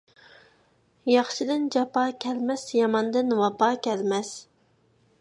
ياخشىدىن جاپا كەلمەس، ياماندىن ۋاپا كەلمەس.